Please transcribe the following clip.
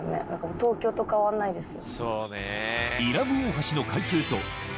東京と変わんないですよ。